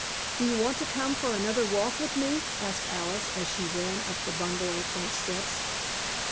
"Do you want to come for another walk with me?" asked Alice as she ran up the bungalow front steps.